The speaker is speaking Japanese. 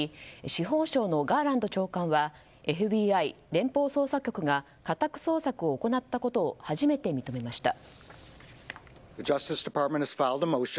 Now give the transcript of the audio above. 司法省のガーランド長官はＦＢＩ・連邦捜査局が家宅捜索を行ったことを初めて認めました。